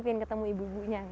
pengen ketemu ibu ibunya